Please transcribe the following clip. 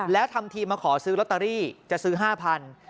แล้วทำทีมาขอซื้อลอตเตอรี่จะซื้อ๕๐๐บาท